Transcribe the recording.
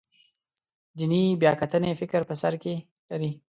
دیني بیاکتنې فکر په سر کې لري.